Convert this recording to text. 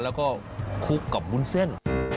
แล้วก็คุกกับวุ้นเส้น